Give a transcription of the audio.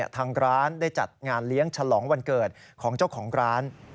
ทางร้านได้จัดงานเลี้ยงฉลองวันเกิดของเจ้าของร้าน